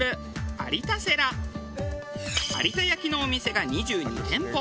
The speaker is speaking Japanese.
有田焼のお店が２２店舗。